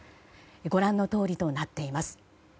ご覧のとおりとなっています。